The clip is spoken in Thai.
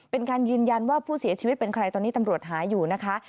เป็นการยืนยันว่าผู้เสียชีวิตเป็นใครตอนนี้ตำรวจหาอยู่นะคะ